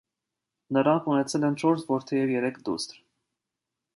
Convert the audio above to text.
Նրանք ունեցել են չորս որդի և երկու դուստր։